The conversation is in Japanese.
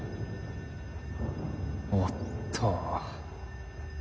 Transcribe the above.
おっと。